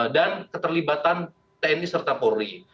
dan keterlibatan tni serta polri